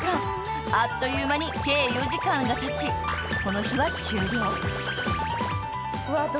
［あっという間に計４時間がたちこの日は終了］